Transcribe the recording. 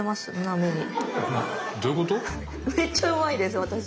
めっちゃうまいです私。